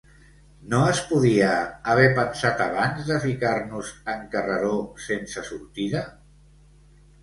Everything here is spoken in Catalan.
No es podia haver pensat abans de ficar-nos en carreró sense sortida?